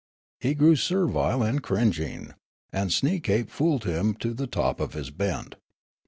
He grew servile and cringing ; and Sneekape fooled him to the top of his bent.